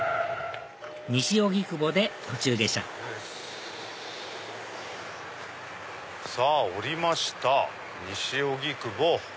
西荻窪で途中下車さぁ降りました西荻窪。